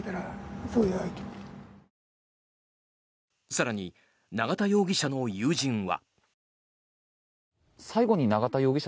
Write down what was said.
更に、永田容疑者の友人は。